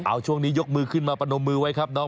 เอาช่วงนี้ยกมือขึ้นมาประนมมือไว้ครับน้อง